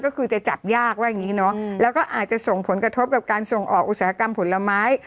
ก็คือจะจับยากว่าอย่างนี้เนอะแล้วก็อาจจะส่งผลกระทบกับการส่งออกอุตสาหกรรมผลไม้